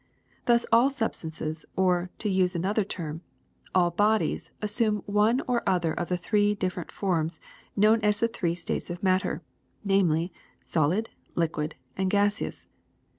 ''Thus all substances, or, to use another term, all bodies, assume one or other of the three different forms known as the three states of matter; namely, solid, liquid, and gaseous.